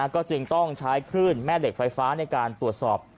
ก็จึงต้องใช้คลื่นแม่เหล็กไฟฟ้าในการตรวจสอบ